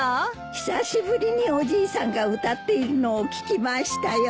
久しぶりにおじいさんが歌っているのを聴きましたよ。